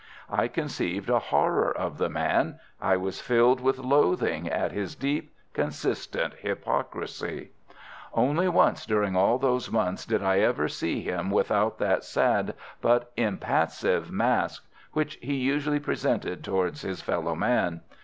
I conceived a horror of the man. I was filled with loathing at his deep, consistent hypocrisy. Only once during all those months did I ever see him without that sad but impassive mask which he usually presented towards his fellow man.